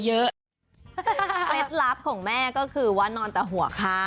เคล็ดลับของแม่ก็คือว่านอนแต่หัวข้าง